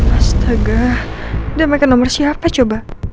astaga sudah mekin nomer siapa coba